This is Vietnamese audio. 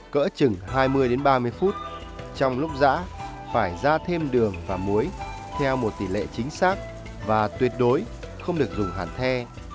cỡ chừng hai mươi ba mươi phút trong lúc giã phải ra thêm đường và muối theo một tỷ lệ chính xác và tuyệt đối không được dùng hẳn the